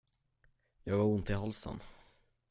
Jag har ont i halsen.